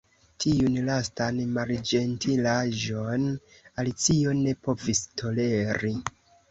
Tiun lastan malĝentilaĵon Alicio ne povis toleri.